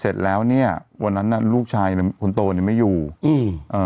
เสร็จแล้วเนี้ยวันนั้นน่ะลูกชายเนี้ยคนโตเนี้ยไม่อยู่อืมเอ่อ